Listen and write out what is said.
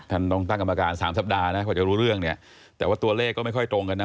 ท่านต้องตั้งกรรมการสามสัปดาห์นะกว่าจะรู้เรื่องเนี่ยแต่ว่าตัวเลขก็ไม่ค่อยตรงกันนะ